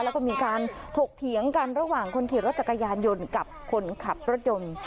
แล้วก็มีการถกเถียงกันระหว่างคนขี่รถจักรยานยนต์กับคนขับรถยนต์